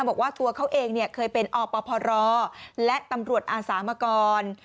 บอกว่าตัวเขาเองเคยเป็นอปพรและตำรวจอาสามาก่อน